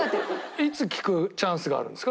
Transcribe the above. いつ聴くチャンスがあるんですか？